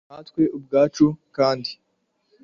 natwe ubwacu kandi